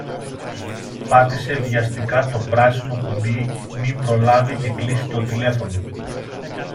Πάτησε βιαστικά το πράσινο κουμπί μην προλάβει και κλείσει το τηλέφωνο